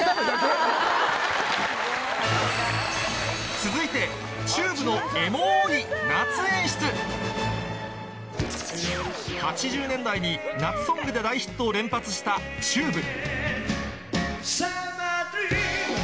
続いて８０年代に夏ソングで大ヒットを連発した ＴＵＢＥ